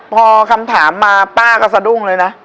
พอคำถามมาป้าก็สะดุ้งเลยนะ